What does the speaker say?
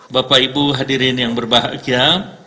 bapak ibu hadirin yang berbahagia